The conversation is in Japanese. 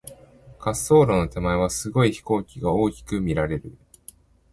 滑走路の手前は、すごい飛行機が大きく見られる。